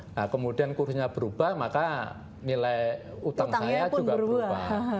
nah kemudian kursinya berubah maka nilai utang saya juga berubah